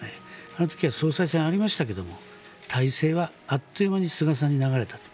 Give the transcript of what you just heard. あの時は総裁選ありましたけども大勢はあっという間に菅さんに流れたと。